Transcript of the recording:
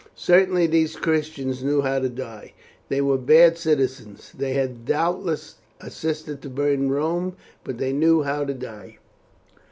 Certainly these Christians knew how to die. They were bad citizens, they had doubtless assisted to burn Rome, but they knew how to die.